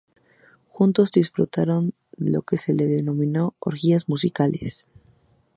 Juntos disfrutaron de lo que se denominó "orgías musicales".